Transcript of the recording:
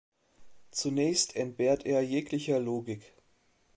Zunächst entbehrt er jeglicher Logik.